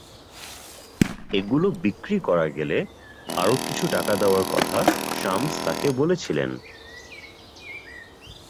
এগুলো বিক্রি করা গেলে আরও কিছু টাকা দেওয়ার কথা শামস তাঁকে বলেছিলেন।